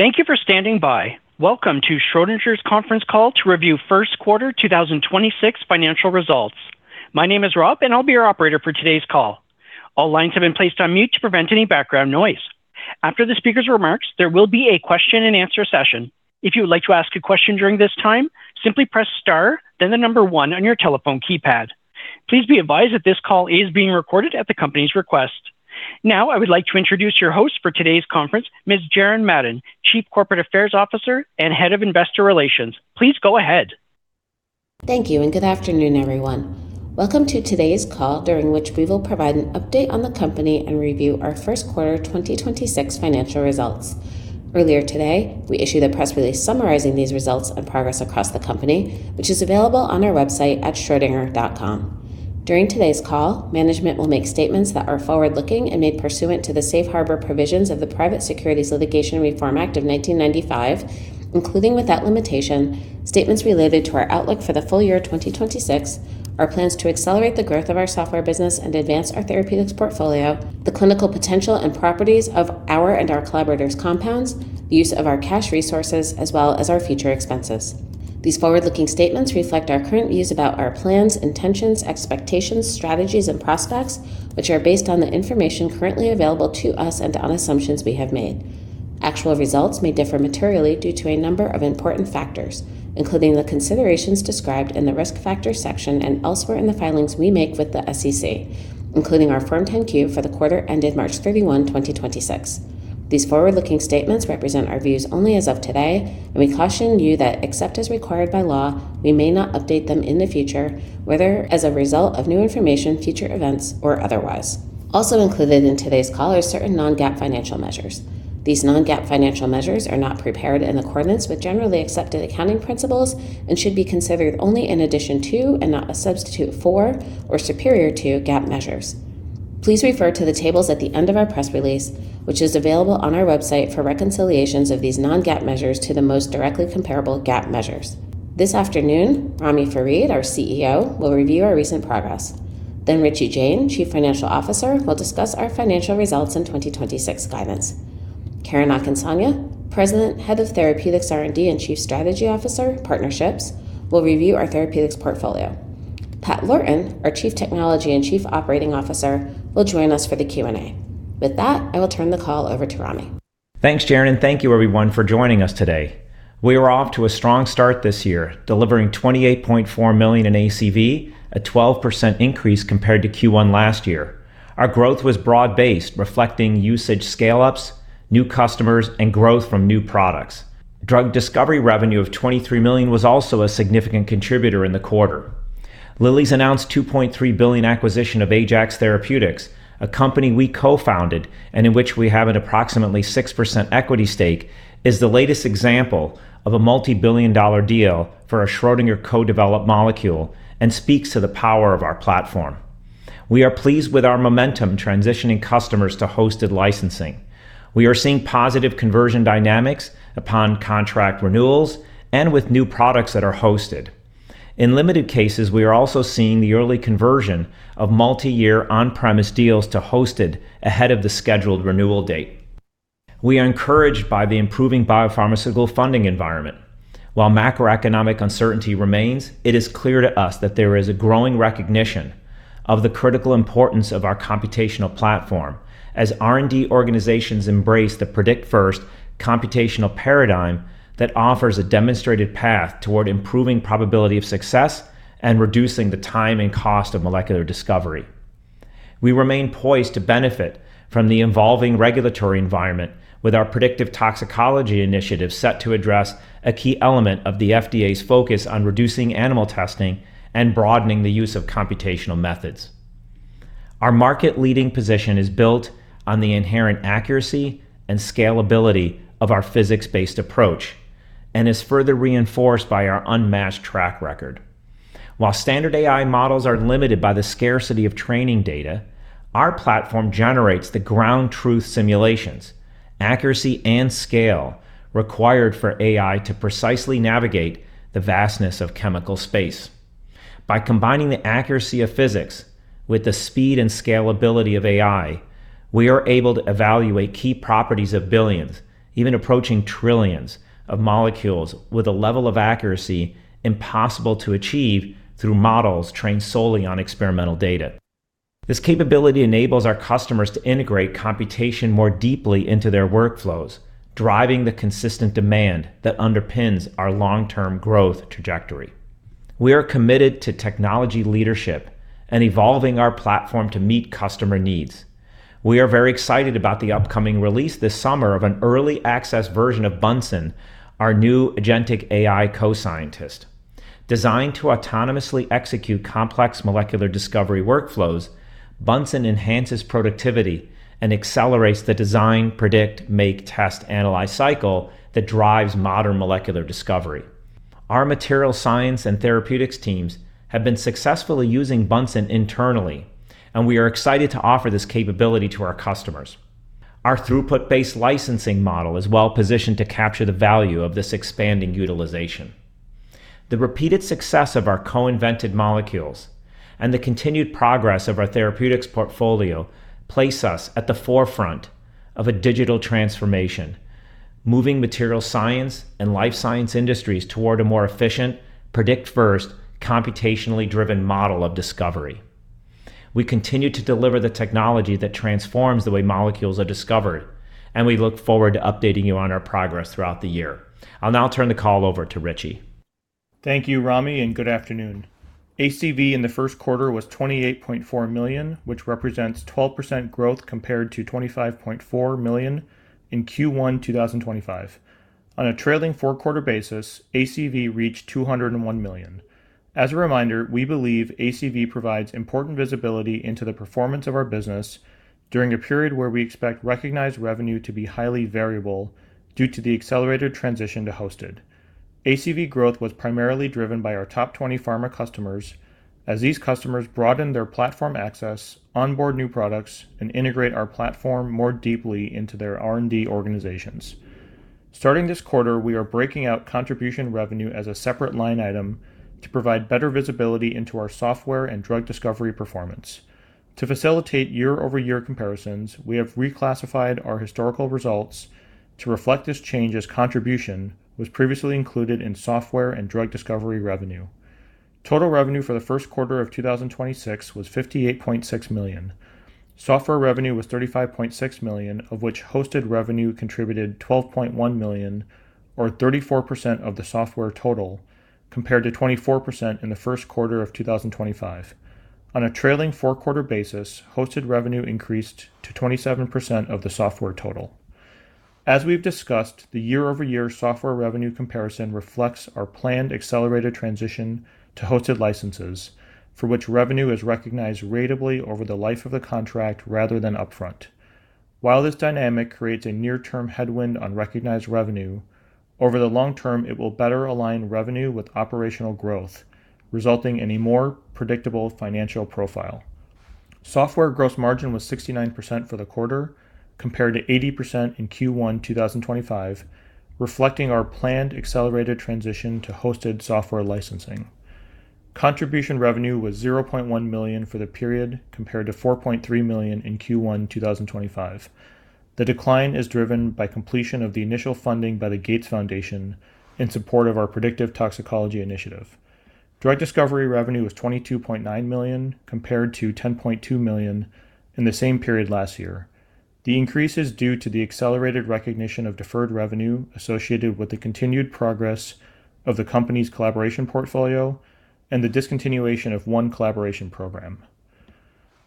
Thank you for standing by. Welcome to Schrödinger's conference call to review first quarter 2026 financial results. My name is Rob, and I'll be your operator for today's call. All lines have been placed on mute to prevent any background noise. After the speaker's remarks, there will be a question and answer session. If you would like to ask a question during this time, simply press star then the number one on your telephone keypad. Please be advised that this call is being recorded at the company's request. Now I would like to introduce your host for today's conference, Ms. Jaren Madden, Chief Corporate Affairs Officer and Head of Investor Relations. Please go ahead. Thank you, good afternoon, everyone. Welcome to today's call, during which we will provide an update on the company and review our first quarter 2026 financial results. Earlier today, we issued a press release summarizing these results and progress across the company, which is available on our website at schrodinger.com. During today's call, management will make statements that are forward-looking and made pursuant to the Safe Harbor provisions of the Private Securities Litigation Reform Act of 1995, including without limitation, statements related to our outlook for the full year 2026, our plans to accelerate the growth of our software business and advance our therapeutics portfolio, the clinical potential and properties of our and our collaborators' compounds, the use of our cash resources, as well as our future expenses. These forward-looking statements reflect our current views about our plans, intentions, expectations, strategies, and prospects, which are based on the information currently available to us and on assumptions we have made. Actual results may differ materially due to a number of important factors, including the considerations described in the Risk Factors section and elsewhere in the filings we make with the SEC, including our Form 10-Q for the quarter ended March 31, 2026. We caution you that except as required by law, we may not update them in the future, whether as a result of new information, future events, or otherwise. Also included in today's call are certain non-GAAP financial measures. These non-GAAP financial measures are not prepared in accordance with generally accepted accounting principles and should be considered only in addition to and not a substitute for or superior to GAAP measures. Please refer to the tables at the end of our press release, which is available on our website for reconciliations of these non-GAAP measures to the most directly comparable GAAP measures. This afternoon, Ramy Farid, our CEO, will review our recent progress. Richie Jain, Chief Financial Officer, will discuss our financial results in 2026 guidance. Karen Akinsanya, President, Head of Therapeutics R&D and Chief Strategy Officer, Partnerships, will review our therapeutics portfolio. Pat Lorton, our Chief Technology and Chief Operating Officer, will join us for the Q&A. With that, I will turn the call over to Ramy. Thanks, Jaren, and thank you everyone for joining us today. We are off to a strong start this year, delivering $28.4 million in ACV, a 12% increase compared to Q1 last year. Our growth was broad-based, reflecting usage scale-ups, new customers, and growth from new products. Drug discovery revenue of $23 million was also a significant contributor in the quarter. Lilly's announced $2.3 billion acquisition of Ajax Therapeutics, a company we co-founded and in which we have an approximately 6% equity stake, is the latest example of a multi-billion dollar deal for a Schrödinger co-developed molecule and speaks to the power of our platform. We are pleased with our momentum transitioning customers to hosted licensing. We are seeing positive conversion dynamics upon contract renewals and with new products that are hosted. In limited cases, we are also seeing the early conversion of multi-year on-premise deals to hosted ahead of the scheduled renewal date. We are encouraged by the improving biopharmaceutical funding environment. While macroeconomic uncertainty remains, it is clear to us that there is a growing recognition of the critical importance of our computational platform as R&D organizations embrace the predict first computational paradigm that offers a demonstrated path toward improving probability of success and reducing the time and cost of molecular discovery. We remain poised to benefit from the evolving regulatory environment with our Predictive Toxicology initiative set to address a key element of the FDA's focus on reducing animal testing and broadening the use of computational methods. Our market-leading position is built on the inherent accuracy and scalability of our physics-based approach and is further reinforced by our unmatched track record. While standard AI models are limited by the scarcity of training data, our platform generates the ground truth simulations, accuracy, and scale required for AI to precisely navigate the vastness of chemical space. By combining the accuracy of physics with the speed and scalability of AI, we are able to evaluate key properties of billions, even approaching trillions of molecules with a level of accuracy impossible to achieve through models trained solely on experimental data. This capability enables our customers to integrate computation more deeply into their workflows, driving the consistent demand that underpins our long-term growth trajectory. We are committed to technology leadership and evolving our platform to meet customer needs. We are very excited about the upcoming release this summer of an early access version of Bunsen, our new agentic AI co-scientist. Designed to autonomously execute complex molecular discovery workflows, Bunsen enhances productivity and accelerates the design, predict, make, test, analyze cycle that drives modern molecular discovery. Our material science and therapeutics teams have been successfully using Bunsen internally. We are excited to offer this capability to our customers. Our throughput-based licensing model is well-positioned to capture the value of this expanding utilization. The repeated success of our co-invented molecules and the continued progress of our therapeutics portfolio place us at the forefront of a digital transformation, moving material science and life science industries toward a more efficient, predict first, computationally driven model of discovery. We continue to deliver the technology that transforms the way molecules are discovered. We look forward to updating you on our progress throughout the year. I'll now turn the call over to Richie. Thank you, Ramy, and good afternoon. ACV in the first quarter was $28.4 million, which represents 12% growth compared to $25.4 million in Q1 2025. On a trailing 4-quarter basis, ACV reached $201 million. As a reminder, we believe ACV provides important visibility into the performance of our business during a period where we expect recognized revenue to be highly variable due to the accelerated transition to hosted. ACV growth was primarily driven by our top 20 pharma customers as these customers broaden their platform access, onboard new products, and integrate our platform more deeply into their R&D organizations. Starting this quarter, we are breaking out contribution revenue as a separate line item to provide better visibility into our software and drug discovery performance. To facilitate year-over-year comparisons, we have reclassified our historical results to reflect this change as contribution was previously included in software and drug discovery revenue. Total revenue for the first quarter of 2026 was $58.6 million. Software revenue was $35.6 million, of which hosted revenue contributed $12.1 million, or 34% of the software total, compared to 24% in the first quarter of 2025. On a trailing four-quarter basis, hosted revenue increased to 27% of the software total. As we've discussed, the year-over-year software revenue comparison reflects our planned accelerated transition to hosted licenses, for which revenue is recognized ratably over the life of the contract rather than upfront. While this dynamic creates a near-term headwind on recognized revenue, over the long term, it will better align revenue with operational growth, resulting in a more predictable financial profile. Software gross margin was 69% for the quarter, compared to 80% in Q1 2025, reflecting our planned accelerated transition to hosted software licensing. Contribution revenue was $0.1 million for the period, compared to $4.3 million in Q1 2025. The decline is driven by completion of the initial funding by the Gates Foundation in support of our predictive toxicology initiative. Drug discovery revenue was $22.9 million, compared to $10.2 million in the same period last year. The increase is due to the accelerated recognition of deferred revenue associated with the continued progress of the company's collaboration portfolio and the discontinuation of one collaboration program.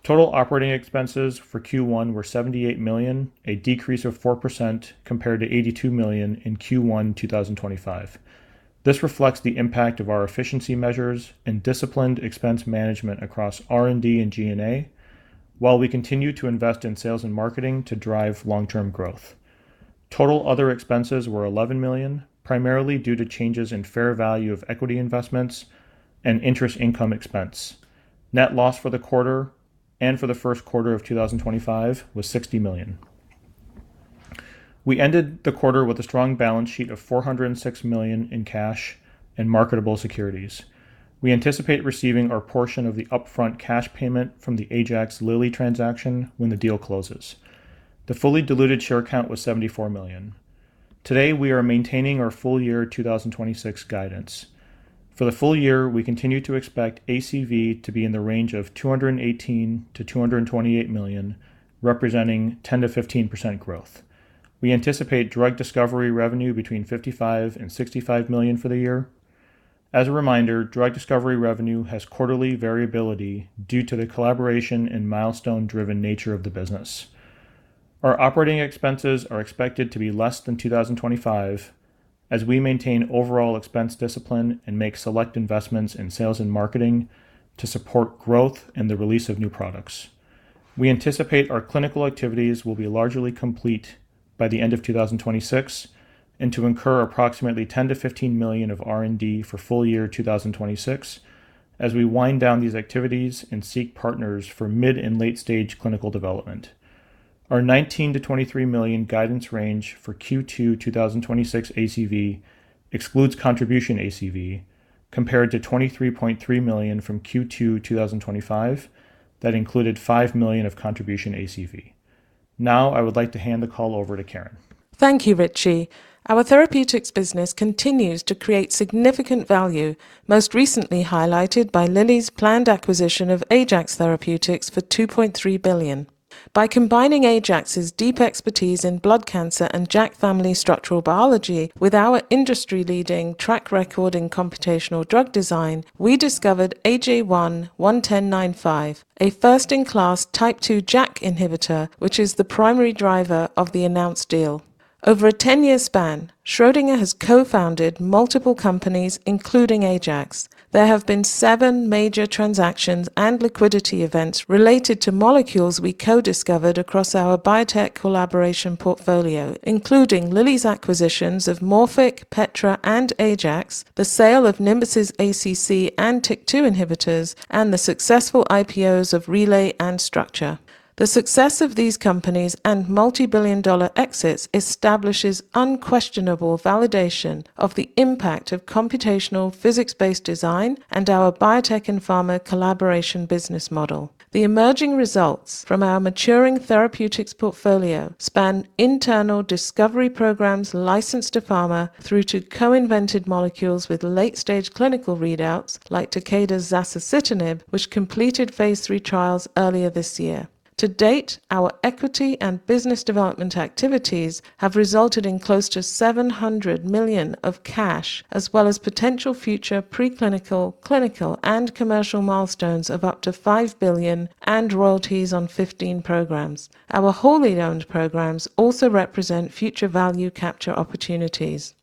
Total operating expenses for Q1 were $78 million, a decrease of 4% compared to $82 million in Q1 2025. This reflects the impact of our efficiency measures and disciplined expense management across R&D and G&A while we continue to invest in sales and marketing to drive long-term growth. Total other expenses were $11 million, primarily due to changes in fair value of equity investments and interest income expense. Net loss for the quarter and for the first quarter of 2025 was $60 million. We ended the quarter with a strong balance sheet of $406 million in cash and marketable securities. We anticipate receiving our portion of the upfront cash payment from the Ajax Lilly transaction when the deal closes. The fully diluted share count was 74 million. Today, we are maintaining our full year 2026 guidance. For the full year, we continue to expect ACV to be in the range of $218 million-$228 million, representing 10%-15% growth. We anticipate drug discovery revenue between $55 million and $65 million for the year. As a reminder, drug discovery revenue has quarterly variability due to the collaboration and milestone-driven nature of the business. Our operating expenses are expected to be less than 2025 as we maintain overall expense discipline and make select investments in sales and marketing to support growth and the release of new products. We anticipate our clinical activities will be largely complete by the end of 2026 and to incur approximately $10 million-$15 million of R&D for full year 2026 as we wind down these activities and seek partners for mid- and late-stage clinical development. Our $19 million-$23 million guidance range for Q2 2026 ACV excludes contribution ACV compared to $23.3 million from Q2 2025 that included $5 million of contribution ACV. I would like to hand the call over to Karen. Thank you, Richie. Our therapeutics business continues to create significant value, most recently highlighted by Lilly's planned acquisition of Ajax Therapeutics for $2.3 billion. By combining Ajax's deep expertise in blood cancer and JAK family structural biology with our industry-leading track record in computational drug design, we discovered AJ11095, a first-in-class type 2 JAK inhibitor, which is the primary driver of the announced deal. Over a 10-year span, Schrödinger has co-founded multiple companies, including Ajax. There have been seven major transactions and liquidity events related to molecules we co-discovered across our biotech collaboration portfolio, including Lilly's acquisitions of Morphic, Petra, and Ajax, the sale of Nimbus' ACC and TYK2 inhibitors, and the successful IPOs of Relay and Structure. The success of these companies and multi-billion dollar exits establishes unquestionable validation of the impact of computational physics-based design and our biotech and pharma collaboration business model. The emerging results from our maturing therapeutics portfolio span internal discovery programs licensed to pharma through to co-invented molecules with late-stage clinical readouts like Takeda's zasocitinib, which completed phase III trials earlier this year. To date, our equity and business development activities have resulted in close to $700 million of cash, as well as potential future preclinical, clinical, and commercial milestones of up to $5 billion and royalties on 15 programs. Our wholly owned programs also represent future value capture opportunities.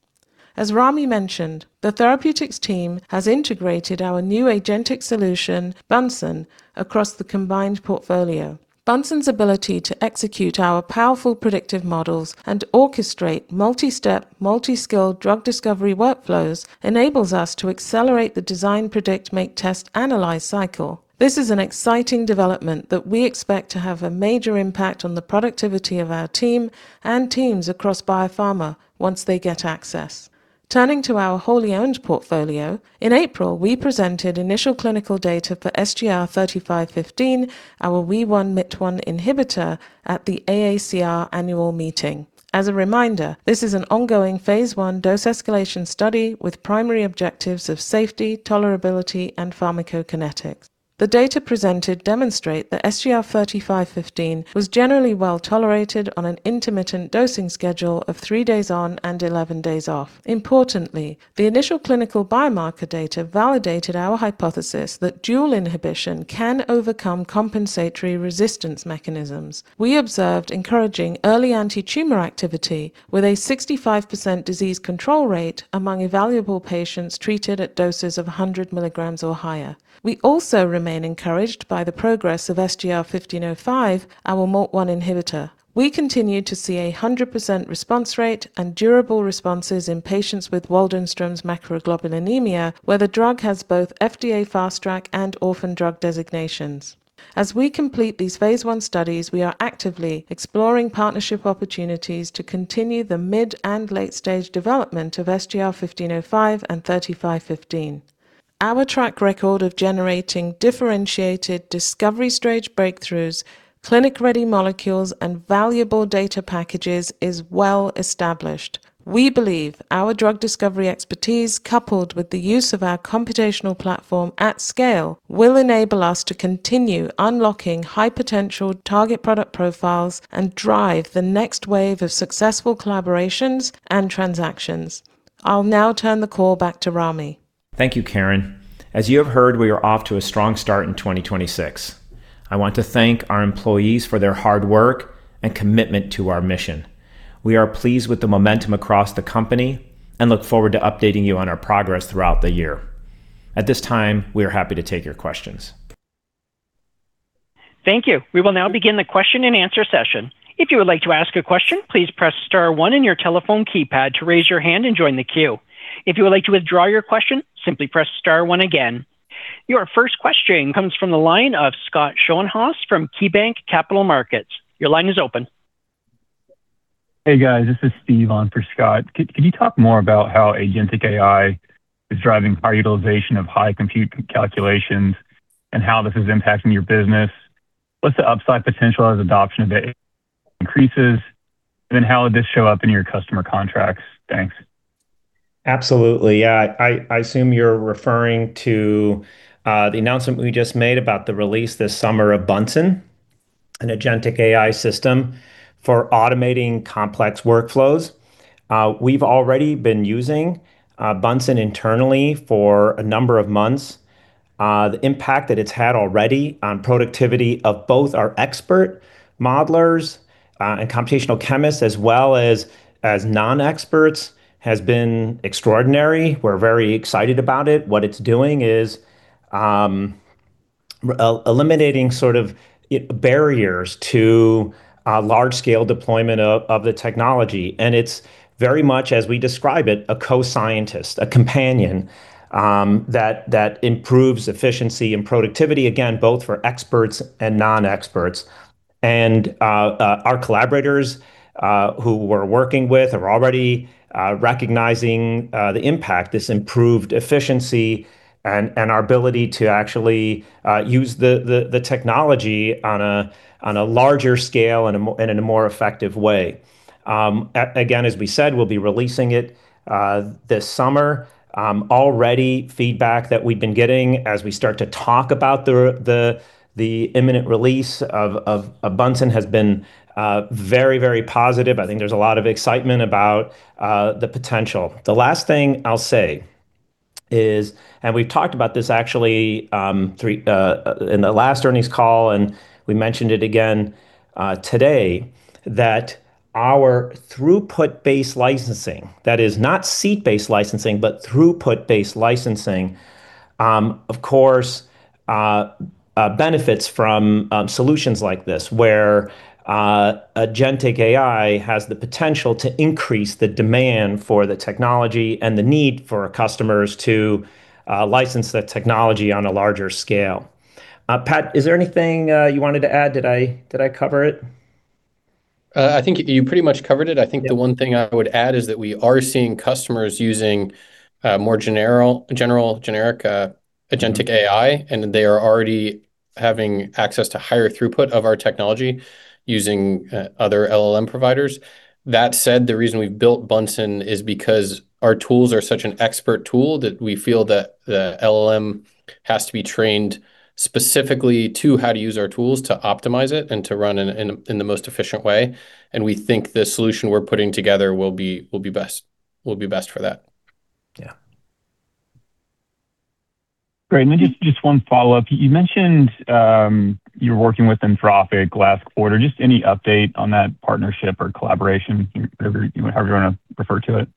As Ramy mentioned, the therapeutics team has integrated our new agentic solution, Bunsen, across the combined portfolio. Bunsen's ability to execute our powerful predictive models and orchestrate multi-step, multi-skill drug discovery workflows enables us to accelerate the design, predict, make, test, analyze cycle. This is an exciting development that we expect to have a major impact on the productivity of our team and teams across biopharma once they get access. Turning to our wholly owned portfolio, in April, we presented initial clinical data for SGR-3515, our Wee1/Myt1 inhibitor, at the AACR annual meeting. As a reminder, this is an ongoing phase I dose escalation study with primary objectives of safety, tolerability, and pharmacokinetics. The data presented demonstrate that SGR-3515 was generally well-tolerated on an intermittent dosing schedule of 3 days on and 11 days off. Importantly, the initial clinical biomarker data validated our hypothesis that dual inhibition can overcome compensatory resistance mechanisms. We observed encouraging early anti-tumor activity with a 65% disease control rate among evaluable patients treated at doses of 100 milligrams or higher. We also remain encouraged by the progress of SGR-1505, our MALT1 inhibitor. We continue to see a 100% response rate and durable responses in patients with Waldenström's macroglobulinemia, where the drug has both FDA Fast Track and Orphan Drug Designations. As we complete these phase I studies, we are actively exploring partnership opportunities to continue the mid and late-stage development of SGR-1505 and SGR-3515. Our track record of generating differentiated discovery stage breakthroughs, clinic-ready molecules, and valuable data packages is well established. We believe our drug discovery expertise, coupled with the use of our computational platform at scale, will enable us to continue unlocking high-potential target product profiles and drive the next wave of successful collaborations and transactions. I'll now turn the call back to Ramy. Thank you, Karen. As you have heard, we are off to a strong start in 2026. I want to thank our employees for their hard work and commitment to our mission. We are pleased with the momentum across the company and look forward to updating you on our progress throughout the year. At this time, we are happy to take your questions. Thank you. We will now begin the question and answer session. If you would like to ask a question, please press star one in your telephone keypad to raise your hand and join the queue. If you would like to withdraw your question, simply press star one again. Your first question comes from the line of Scott Schoenhaus from KeyBanc Capital Markets. Your line is open. Hey, guys. This is Steve on for Scott. Can you talk more about how agentic AI is driving our utilization of high compute calculations and how this is impacting your business? What's the upside potential as adoption of it increases? How would this show up in your customer contracts? Thanks. Absolutely. Yeah. I assume you're referring to the announcement we just made about the release this summer of Bunsen, an agentic AI system for automating complex workflows. We've already been using Bunsen internally for a number of months. The impact that it's had already on productivity of both our expert modelers and computational chemists as well as non-experts has been extraordinary. We're very excited about it. What it's doing is eliminating sort of barriers to large scale deployment of the technology, and it's very much as we describe it, a co-scientist, a companion that improves efficiency and productivity, again, both for experts and non-experts. Our collaborators who we're working with are already recognizing the impact, this improved efficiency and our ability to actually use the technology on a larger scale and in a more effective way. Again, as we said, we'll be releasing it this summer. Already feedback that we've been getting as we start to talk about the imminent release of Bunsen has been very positive. I think there's a lot of excitement about the potential. The last thing I'll say is, and we've talked about this actually, in the last earnings call and we mentioned it again today, that our throughput-based licensing, that is not seat-based licensing, but throughput-based licensing, of course, benefits from solutions like this where an agentic AI has the potential to increase the demand for the technology and the need for our customers to license that technology on a larger scale. Pat, is there anything you wanted to add? Did I cover it? I think you pretty much covered it. Yeah. I think the one thing I would add is that we are seeing customers using more general generic agentic AI, and they are already having access to higher throughput of our technology using other LLM providers. That said, the reason we've built Bunsen is because our tools are such an expert tool that we feel that the LLM has to be trained specifically to how to use our tools to optimize it and to run in the most efficient way, and we think the solution we're putting together will be best for that. Yeah. Great. Just one follow-up. You mentioned, you were working with Anthropic last quarter. Just any update on that partnership or collaboration, whatever you, however you wanna refer to it?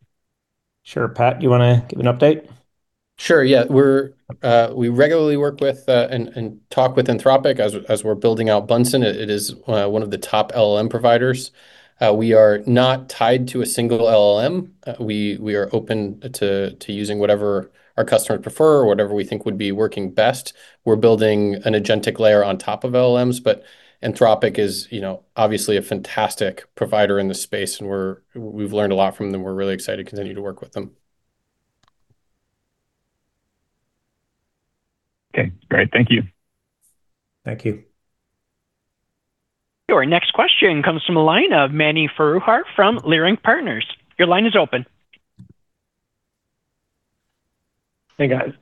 Sure. Pat, do you wanna give an update? Sure, yeah. We regularly work with, and talk with Anthropic as we're building out Bunsen. It is one of the top LLM providers. We are not tied to a single LLM. We are open to using whatever our customers prefer or whatever we think would be working best. We're building an agentic layer on top of LLMs. Anthropic is, you know, obviously a fantastic provider in this space and we've learned a lot from them. We're really excited to continue to work with them. Okay, great. Thank you. Thank you. Your next question comes from the line of Mani Foroohar from Leerink Partners. Your line is open. Hey, guys.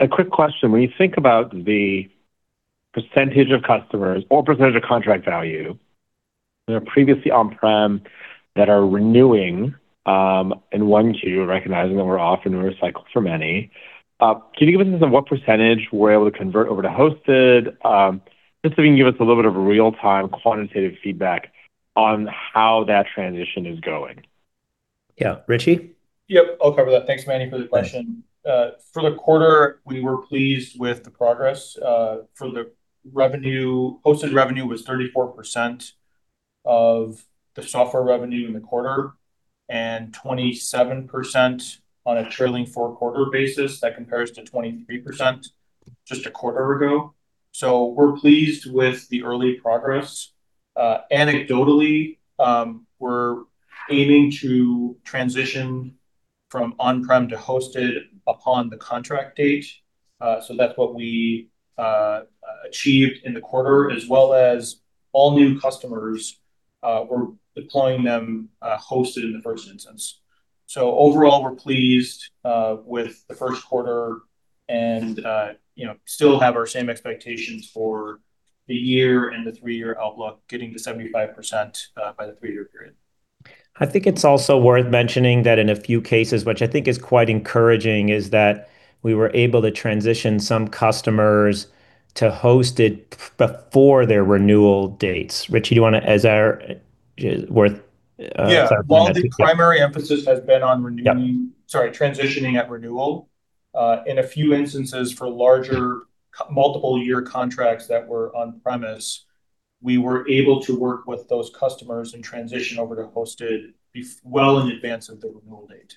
A quick question. When you think about the % of customers or % of contract value that are previously on-prem that are renewing, in 1Q, recognizing that we're often recycled for many, can you give us a sense of what % we're able to convert over to hosted? Just so you can give us a little bit of real-time quantitative feedback on how that transition is going. Yeah. Richie? Yep, I'll cover that. Thanks, Mani, for the question. Thanks. For the quarter, we were pleased with the progress for the revenue. Hosted revenue was 34% of the software revenue in the quarter and 27% on a trailing 4-quarter basis. That compares to 23% just a quarter ago. We're pleased with the early progress. Anecdotally, we're aiming to transition from on-prem to hosted upon the contract date, that's what we achieved in the quarter as well as all new customers, we're deploying them hosted in the first instance. Overall, we're pleased with the first quarter and, you know, still have our same expectations for the year and the 3-year outlook, getting to 75% by the 3-year period. I think it's also worth mentioning that in a few cases, which I think is quite encouraging, is that we were able to transition some customers to hosted before their renewal dates. Richie, is there worth, sorry. Yeah. While the primary emphasis has been on transitioning at renewal, in a few instances for larger multiple year contracts that were on-premise, we were able to work with those customers and transition over to hosted well in advance of the renewal date.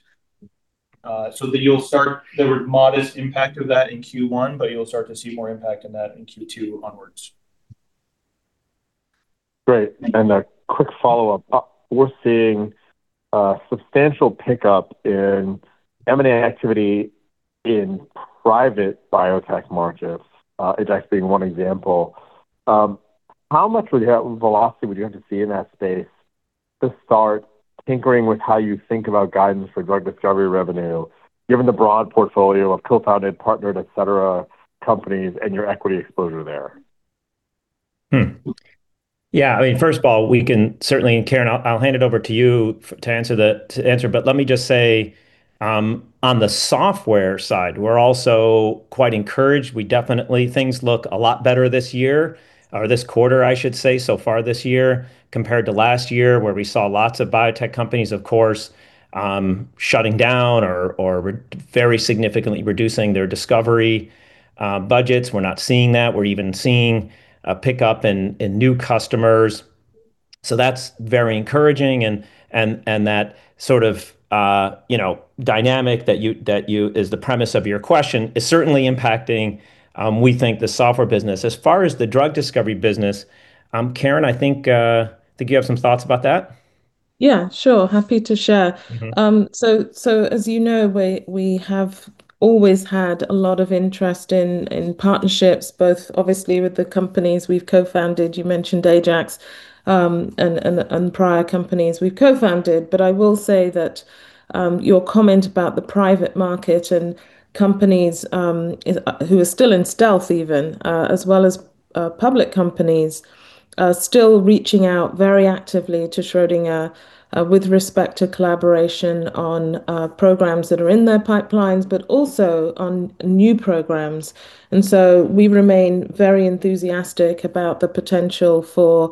That you'll start there was modest impact of that in Q1, but you'll start to see more impact in that in Q2 onwards. Great. A quick follow-up. We're seeing substantial pickup in M&A activity in private biotech markets, Ajax being one example. How much velocity would you have to see in that space to start tinkering with how you think about guidance for drug discovery revenue, given the broad portfolio of co-founded, partnered, et cetera, companies and your equity exposure there? Yeah. I mean, first of all, we can certainly, and Karen, I'll hand it over to you to answer. Let me just say, on the software side, we're also quite encouraged. We definitely, things look a lot better this year or this quarter, I should say, so far this year compared to last year where we saw lots of biotech companies, of course, shutting down or very significantly reducing their discovery budgets. We're not seeing that. We're even seeing a pickup in new customers, so that's very encouraging and that sort of, you know, dynamic is the premise of your question is certainly impacting, we think the software business. As far as the drug discovery business, Karen, I think you have some thoughts about that? Yeah, sure. Happy to share. So as you know, we have always had a lot of interest in partnerships, both obviously with the companies we've co-founded, you mentioned Ajax, and prior companies we've co-founded. I will say that your comment about the private market and companies is who are still in stealth even as well as public companies are still reaching out very actively to Schrödinger with respect to collaboration on programs that are in their pipelines, but also on new programs. We remain very enthusiastic about the potential for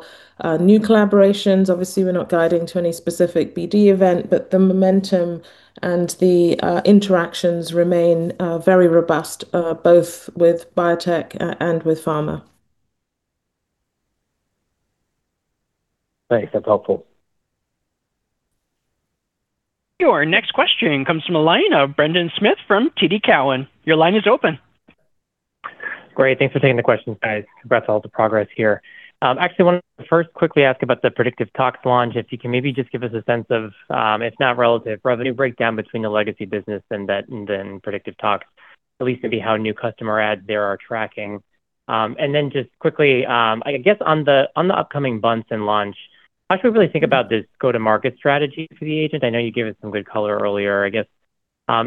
new collaborations. Obviously, we're not guiding to any specific BD event, but the momentum and the interactions remain very robust both with biotech and with pharma. Thanks. That's helpful. Your next question comes from the line of Brendan Smith from TD Cowen. Your line is open. Great. Thanks for taking the questions, guys. Congrats on all the progress here. Actually wanted to first quickly ask about the Predictive Toxicology launch, if you can maybe just give us a sense of, if not relative revenue breakdown between the legacy business and that, and then Predictive Toxicology, at least maybe how new customer adds there are tracking. Just quickly, I guess on the upcoming Bunsen launch, how should we really think about this go-to-market strategy for the agent? I know you gave us some good color earlier. I guess,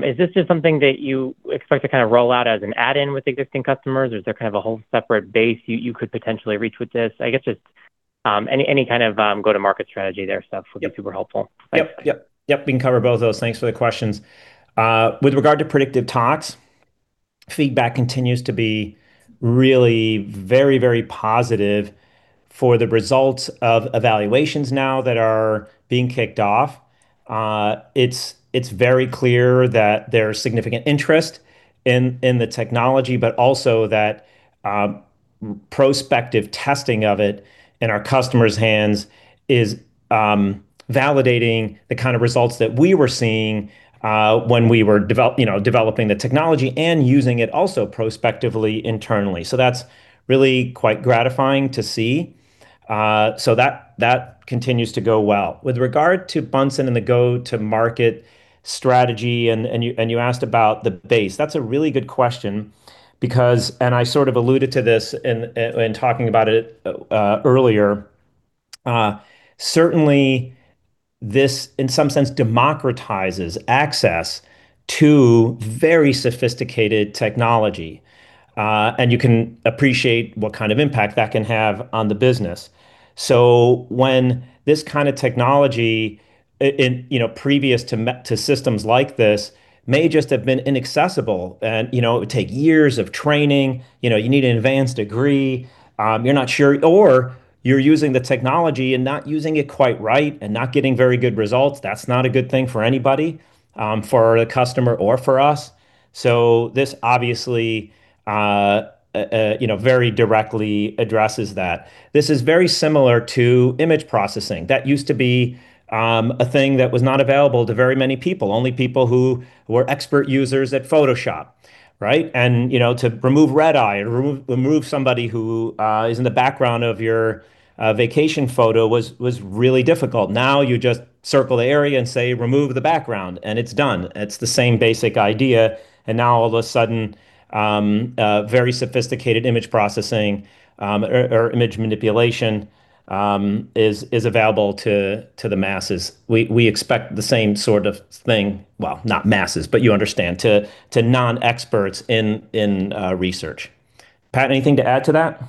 is this just something that you expect to kind of roll out as an add-in with existing customers, or is there kind of a whole separate base you could potentially reach with this? I guess just any kind of go-to-market strategy there, stuff would be super helpful. Thanks. Yep, we can cover both those. Thanks for the questions. With regard to Predictive Toxicology, feedback continues to be really very positive for the results of evaluations now that are being kicked off. It's very clear that there's significant interest in the technology, but also that prospective testing of it in our customers' hands is validating the kind of results that we were seeing when we were developing the technology and using it also prospectively internally. That's really quite gratifying to see. That continues to go well. With regard to Bunsen and the go-to-market strategy and you asked about the base, that's a really good question because, and I sort of alluded to this in talking about it earlier. Certainly this in some sense democratizes access to very sophisticated technology, and you can appreciate what kind of impact that can have on the business. When this kind of technology, you know, previous to systems like this may just have been inaccessible and, you know, it would take years of training. You know, you need an advanced degree, you're not sure, or you're using the technology and not using it quite right and not getting very good results. That's not a good thing for anybody, for a customer or for us. This obviously, you know, very directly addresses that. This is very similar to image processing. That used to be a thing that was not available to very many people, only people who were expert users at Photoshop, right? You know, to remove red eye or remove somebody who is in the background of your vacation photo was really difficult. Now you just circle the area and say, "Remove the background," and it's done. It's the same basic idea, now all of a sudden, a very sophisticated image processing or image manipulation is available to the masses. We expect the same sort of thing, well, not masses, but you understand, to non-experts in research. Pat, anything to add to that?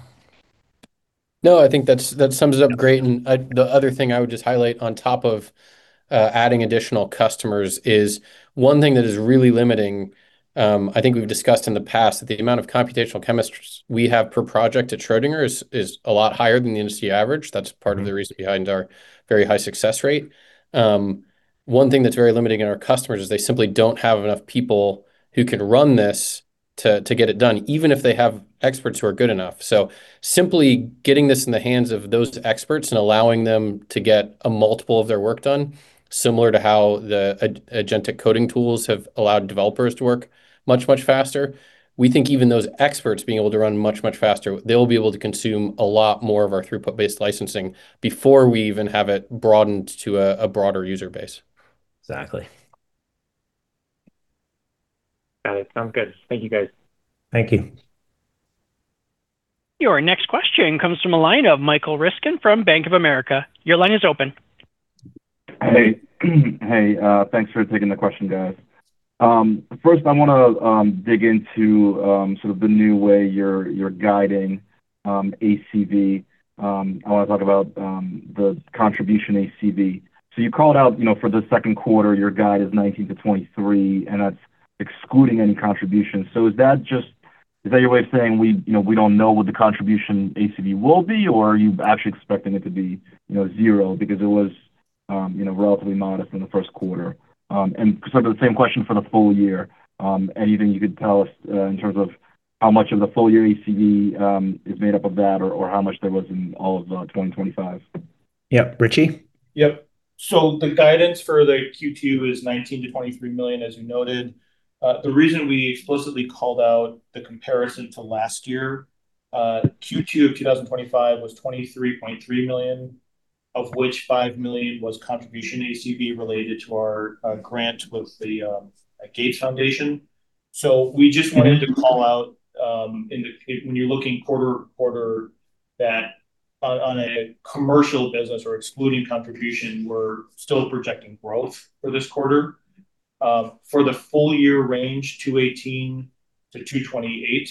No, I think that sums it up great. The other thing I would just highlight on top of adding additional customers is one thing that is really limiting. I think we've discussed in the past that the amount of computational chemists we have per project at Schrödinger is a lot higher than the industry average. That's part of the reason behind our very high success rate. One thing that's very limiting in our customers is they simply don't have enough people who can run this to get it done, even if they have experts who are good enough. Simply getting this in the hands of those experts and allowing them to get a multiple of their work done, similar to how the agentic coding tools have allowed developers to work much, much faster. We think even those experts being able to run much, much faster, they'll be able to consume a lot more of our throughput-based licensing before we even have it broadened to a broader user base. Exactly. Got it. Sounds good. Thank you, guys. Thank you. Your next question comes from a line of Michael Ryskin from Bank of America. Your line is open. Hey. Hey, thanks for taking the question, guys. First I wanna dig into sort of the new way you're guiding ACV. I wanna talk about the contribution ACV. You called out, you know, for the second quarter, your guide is $19-$23, and that's excluding any contributions. Is that your way of saying we, you know, we don't know what the contribution ACV will be, or are you actually expecting it to be, you know, zero because it was, you know, relatively modest in the first quarter? Sort of the same question for the full year. Anything you could tell us in terms of how much of the full year ACV is made up of that or how much there was in all of 2025? Yeah. Richie? Yep. The guidance for the Q2 is $19 million-$23 million, as you noted. The reason we explicitly called out the comparison to last year, Q2 of 2025 was $23.3 million, of which $5 million was contribution ACV related to our grant with the Gates Foundation. We just wanted to call out when you're looking quarter to quarter that on a commercial business or excluding contribution, we're still projecting growth for this quarter. For the full year range, $218 million-$228 million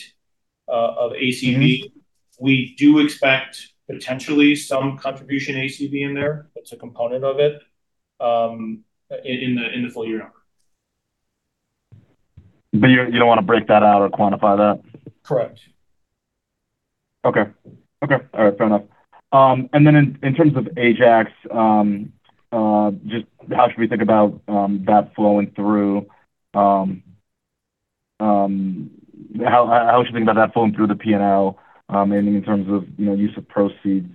of ACV, we do expect potentially some contribution ACV in there. That's a component of it, in the full year number. You don't want to break that out or quantify that? Correct. Okay. Okay. All right. Fair enough. In terms of Ajax, just how should we think about that flowing through the P&L, and in terms of, you know, use of proceeds,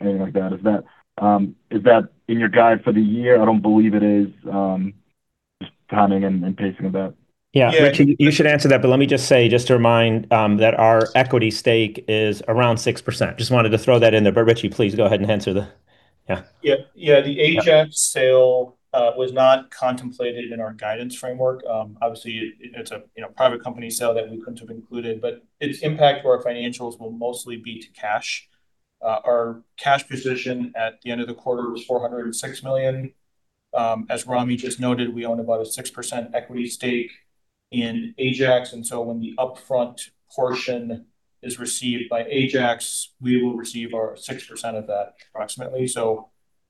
anything like that? Is that in your guide for the year? I don't believe it is. Just timing and pacing of that. Richie, you should answer that, but let me just say, just to remind, that our equity stake is around 6%. Just wanted to throw that in there. Richie, please go ahead and answer. The Ajax sale was not contemplated in our guidance framework. Obviously it's a private company sale that we couldn't have included, but its impact to our financials will mostly be to cash. Our cash position at the end of the quarter was $406 million. As Ramy just noted, we own about a 6% equity stake in Ajax, when the upfront portion is received by Ajax, we will receive our 6% of that approximately.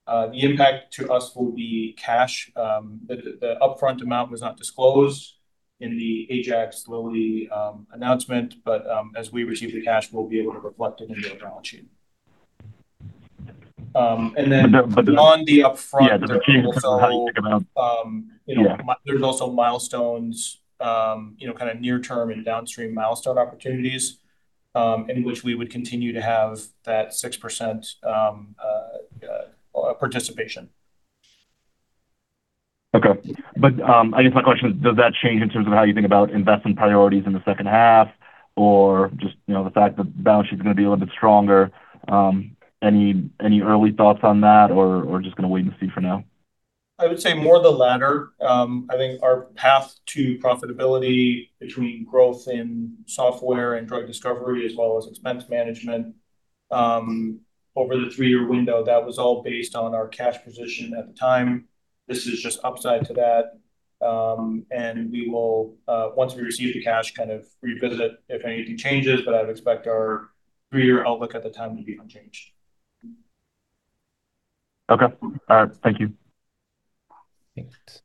The impact to us will be cash. The upfront amount was not disclosed in the Ajax Lilly announcement, as we receive the cash, we'll be able to reflect it in the balance sheet. But, but the- Beyond the upfront Yeah, just in terms of how you think about. There's also, you know. Yeah. There's also milestones, you know, kinda near term and downstream milestone opportunities, in which we would continue to have that 6% participation. Okay. I guess my question is, does that change in terms of how you think about investment priorities in the second half or just, you know, the fact the balance sheet's gonna be a little bit stronger? Any early thoughts on that or just gonna wait and see for now? I would say more the latter. I think our path to profitability between growth in software and drug discovery as well as expense management, over the three-year window, that was all based on our cash position at the time. This is just upside to that. We will, once we receive the cash, kind of revisit if anything changes, but I would expect our three-year outlook at the time to be unchanged. Okay. All right. Thank you. Thanks.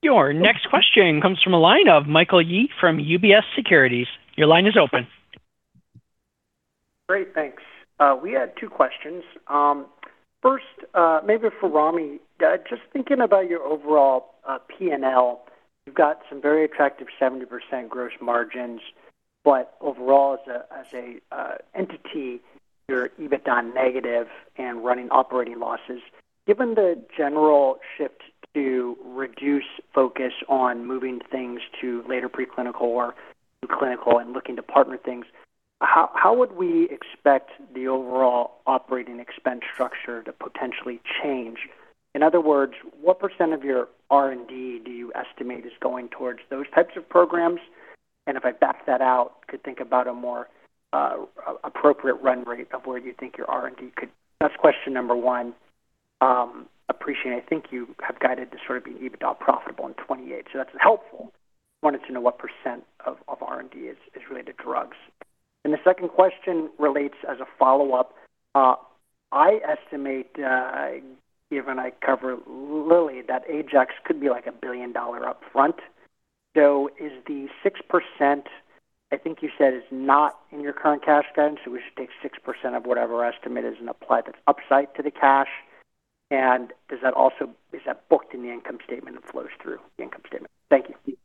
Your next question comes from the line of Michael Yee from UBS Securities. Your line is open. Great. Thanks. We had 2 questions. First, maybe for Ramy. Just thinking about your overall P&L, you've got some very attractive 70% gross margins. Overall as an entity, you're EBITDA negative and running operating losses. Given the general shift to reduce focus on moving things to later preclinical or in clinical and looking to partner things, how would we expect the overall operating expense structure to potentially change? In other words, what % of your R&D do you estimate is going towards those types of programs? If I back that out, could think about a more appropriate run rate of where you think your R&D could. That's question number 1. Appreciate, I think you have guided to sort of be EBITDA profitable in 2028, that's helpful. Wanted to know what % of R&D is related to drugs. The second question relates as a follow-up. I estimate, given I cover Lilly, that Ajax could be like $1 billion upfront. Is the 6%, I think you said is not in your current cash guidance, so we should take 6% of whatever our estimate is and apply that upside to the cash. Does that also, is that booked in the income statement and flows through the income statement? Thank you.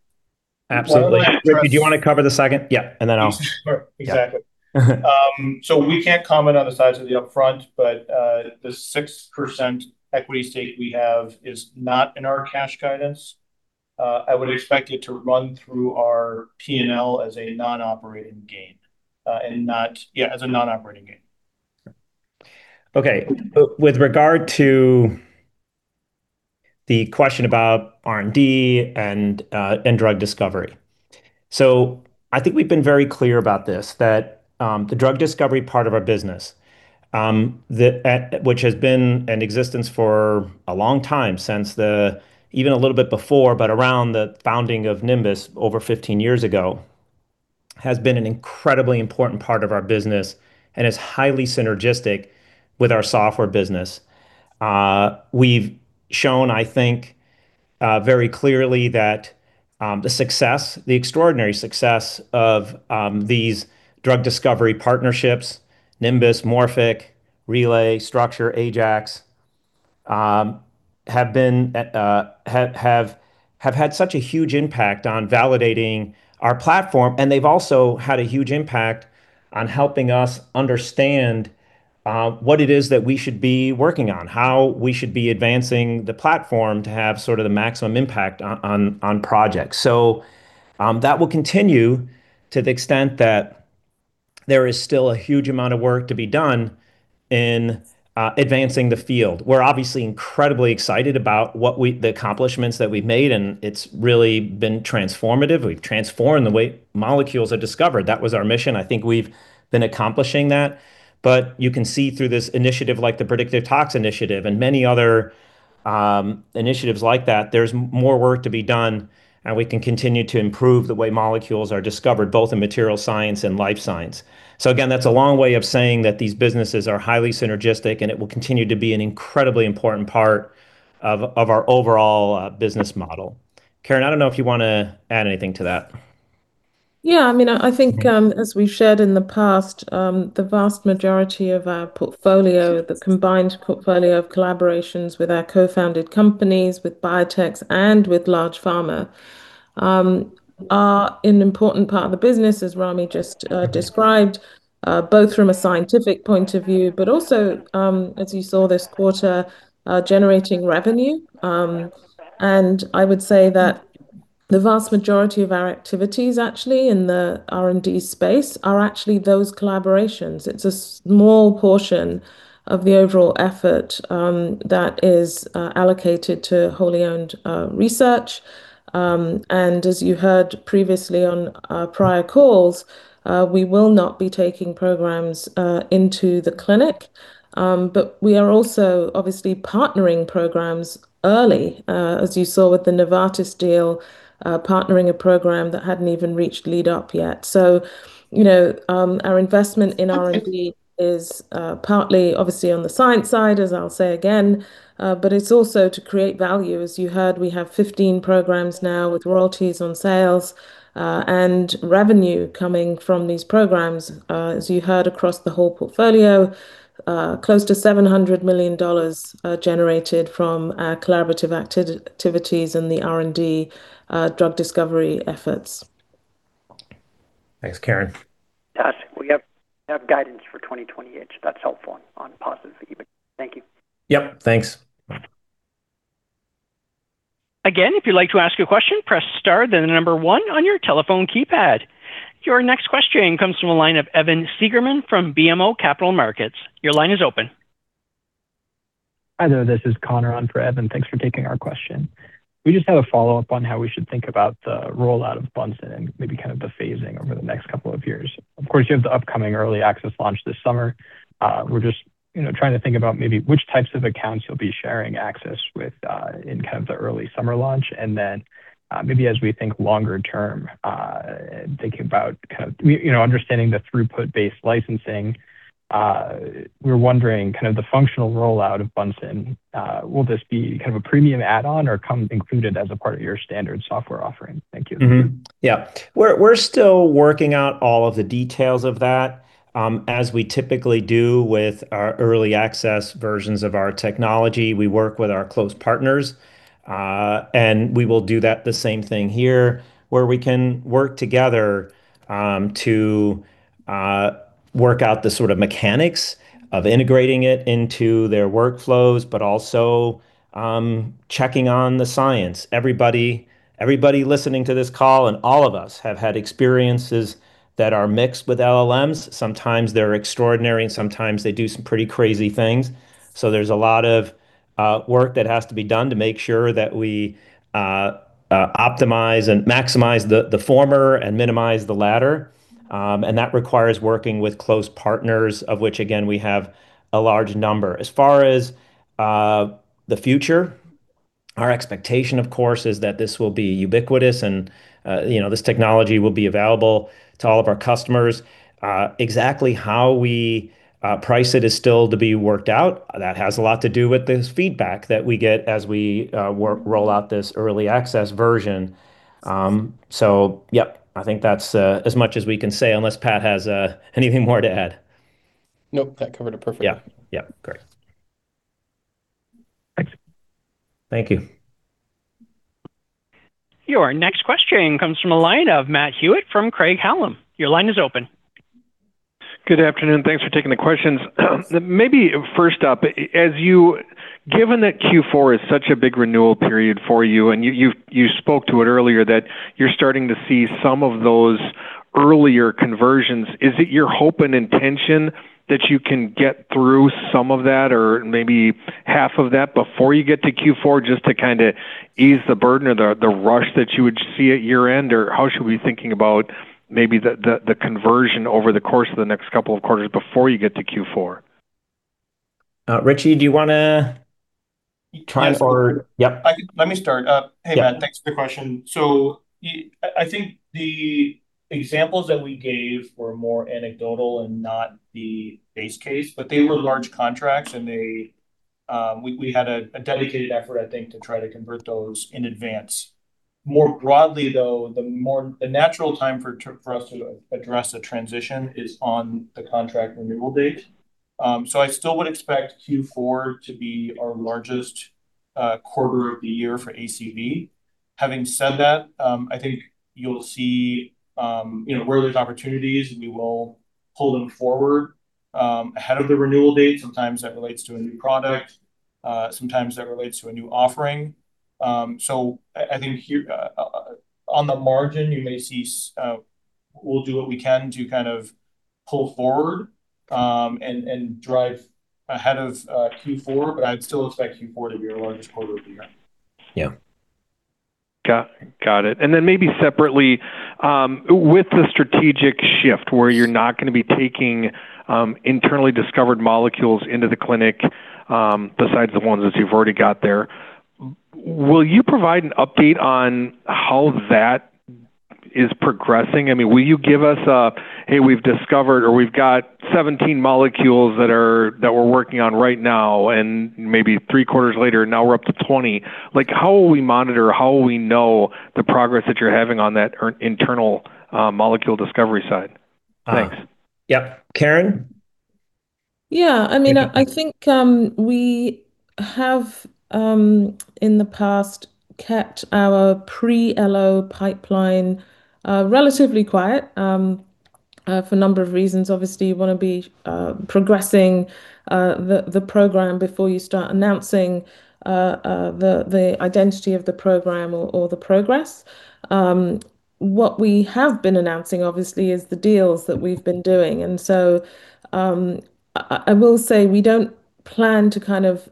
Absolutely. Richie, do you wanna cover the second? Yeah. I'll. Sure. Exactly. We can't comment on the size of the upfront, but the 6% equity stake we have is not in our cash guidance. I would expect it to run through our P&L as a non-operating gain. Okay. With regard to the question about R&D and drug discovery. I think we've been very clear about this, that the drug discovery part of our business, which has been in existence for a long time, since the, even a little bit before, but around the founding of Nimbus over 15 years ago, has been an incredibly important part of our business and is highly synergistic with our software business. We've shown, I think, very clearly that the success, the extraordinary success of these drug discovery partnerships, Nimbus, Morphic, Relay, Structure, Ajax, have had such a huge impact on validating our platform, and they've also had a huge impact on helping us understand what it is that we should be working on, how we should be advancing the platform to have sort of the maximum impact on projects. That will continue to the extent that there is still a huge amount of work to be done in advancing the field. We're obviously incredibly excited about the accomplishments that we've made, and it's really been transformative. We've transformed the way molecules are discovered. That was our mission. I think we've been accomplishing that. You can see through this initiative, like the Predictive Toxicology initiative and many other initiatives like that, there's more work to be done, and we can continue to improve the way molecules are discovered, both in material science and life science. Again, that's a long way of saying that these businesses are highly synergistic, and it will continue to be an incredibly important part of our overall business model. Karen, I don't know if you wanna add anything to that. As we've shared in the past, the vast majority of our portfolio, the combined portfolio of collaborations with our co-founded companies, with biotechs and with large pharma, are an important part of the business, as Ramy just described, both from a scientific point of view, but also, as you saw this quarter, generating revenue. I would say that the vast majority of our activities actually in the R&D space are actually those collaborations. It's a small portion of the overall effort that is allocated to wholly owned research. As you heard previously on prior calls, we will not be taking programs into the clinic. We are also obviously partnering programs early, as you saw with the Novartis deal, partnering a program that hadn't even reached lead optimization yet. You know, our investment in R&D is partly obviously on the science side, as I'll say again, it's also to create value. As you heard, we have 15 programs now with royalties on sales and revenue coming from these programs. As you heard across the whole portfolio, close to $700 million generated from collaborative activities in the R&D drug discovery efforts. Thanks, Karen. Got it. We have guidance for 2028. That's helpful and positive. Thank you. Yep. Thanks. Again, if you'd like to ask a question, press star, then one on your telephone keypad. Your next question comes from a line of Evan Seigerman from BMO Capital Markets. Your line is open. Hi there. This is Connor on for Evan. Thanks for taking our question. We just have a follow-up on how we should think about the rollout of Bunsen and maybe kind of the phasing over the next couple of years. Of course, you have the upcoming early access launch this summer. We're just, you know, trying to think about maybe which types of accounts you'll be sharing access with in kind of the early summer launch. Maybe as we think longer term, thinking about kind of, you know, understanding the throughput-based licensing, we're wondering kind of the functional rollout of Bunsen. Will this be kind of a premium add-on or come included as a part of your standard software offering? Thank you. Yeah. We're still working out all of the details of that, as we typically do with our early access versions of our technology. We work with our close partners, and we will do that the same thing here, where we can work together to work out the sort of mechanics of integrating it into their workflows, but also checking on the science. Everybody listening to this call and all of us have had experiences that are mixed with LLMs. Sometimes they're extraordinary, sometimes they do some pretty crazy things. There's a lot of work that has to be done to make sure that we optimize and maximize the former and minimize the latter. That requires working with close partners, of which, again, we have a large number. As far as the future, our expectation, of course, is that this will be ubiquitous and, you know, this technology will be available to all of our customers. Exactly how we price it is still to be worked out. That has a lot to do with this feedback that we get as we roll out this early access version. Yep. I think that's as much as we can say unless Pat Lorton has anything more to add. Nope, that covered it perfectly. Yeah. Yep. Great. Thanks. Thank you. Your next question comes from a line of Matthew Hewitt from Craig-Hallum. Your line is open. Good afternoon. Thanks for taking the questions. Maybe first up, given that Q4 is such a big renewal period for you, and you spoke to it earlier that you're starting to see some of those earlier conversions, is it your hope and intention that you can get through some of that or maybe half of that before you get to Q4 just to kinda ease the burden or the rush that you would see at year-end? How should we be thinking about maybe the conversion over the course of the next couple of quarters before you get to Q4? Richie, do you wanna try? Yes. Yep. Let me start. Hey, Matt. Yeah. Thanks for the question. I think the examples that we gave were more anecdotal and not the base case, but they were large contracts, and they, we had a dedicated effort, I think, to try to convert those in advance. More broadly, though, the natural time for us to address a transition is on the contract renewal date. I still would expect Q4 to be our largest quarter of the year for ACV. Having said that, I think you'll see, you know, where there's opportunities, we will pull them forward ahead of the renewal date. Sometimes that relates to a new product, sometimes that relates to a new offering. I think here, on the margin, you may see we'll do what we can to kind of pull forward, and drive ahead of, Q4, but I'd still expect Q4 to be our largest quarter of the year. Yeah. Got it. Maybe separately, with the strategic shift where you're not going to be taking internally discovered molecules into the clinic, besides the ones that you've already got there, will you provide an update on how that is progressing? I mean, will you give us a, "Hey, we've discovered," or, "We've got 17 molecules that are, that we're working on right now," and maybe three quarters later, "Now we're up to 20"? Like, how will we monitor, how will we know the progress that you're having on that internal molecule discovery side? Thanks. Yep. Karen? I mean, I think we have in the past kept our pre-LO pipeline relatively quiet for a number of reasons. Obviously, you want to be progressing the program before you start announcing the identity of the program or the progress. What we have been announcing, obviously, is the deals that we've been doing. I will say we don't plan to kind of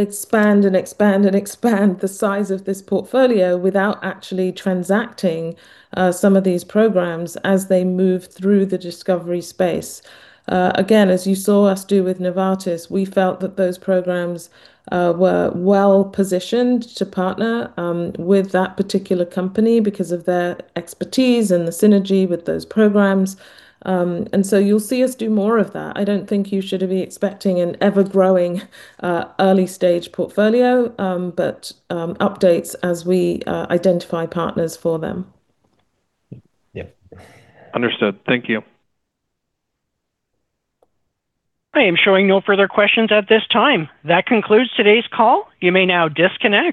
expand and expand and expand the size of this portfolio without actually transacting some of these programs as they move through the discovery space. Again, as you saw us do with Novartis, we felt that those programs were well-positioned to partner with that particular company because of their expertise and the synergy with those programs. You'll see us do more of that. I don't think you should be expecting an ever-growing, early stage portfolio, but updates as we identify partners for them. Yeah. Understood. Thank you. I am showing no further questions at this time. That concludes today's call. You may now disconnect.